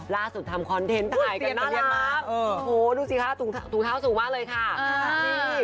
ร่าสุดทำคอนเทศถ่ายกันน่ารักโอ้โฮดูสิค่ะถูงเท้าสูงมากเลยค่ะ